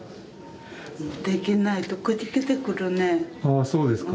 あそうですか。